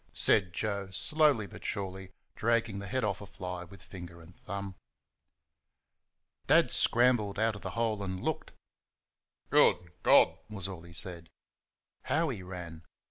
said Joe, slowly but surely dragging the head off a fly with finger and thumb. Dad scrambled out of the hole and looked. "Good God!" was all he said. How he ran!